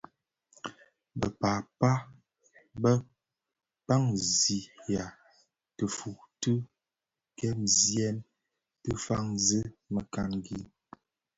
Bë pääpa bë kpaňzigha tifuu ti ghemzyèn dhi faňzi mekangi.